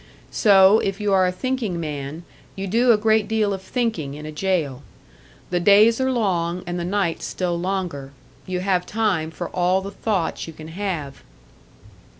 So, if you are a thinking man, you do a great deal of thinking in a jail; the days are long, and the nights still longer you have time for all the thoughts you can have.